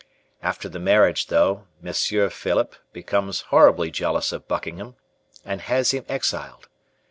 After the marriage, though, Monsieur Philip becomes horribly jealous of Buckingham, and has him exiled.